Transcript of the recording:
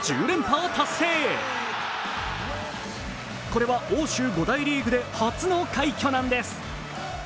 これは欧州５大リーグで初の快挙なんです。